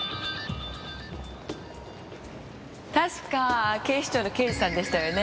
確か警視庁の刑事さんでしたよね。